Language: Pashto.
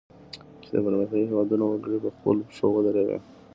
چې د پرمختیایي هیوادونو وګړي په خپلو پښو ودروي.